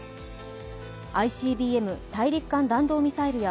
ＩＣＢＭ＝大陸間弾道ミサイルや